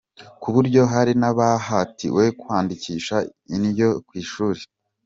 Ku buryo hari n’abahatiwe kwandikisha indyo ku ishuri.